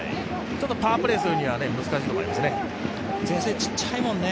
ちょっとパワープレーするには難しいところですね。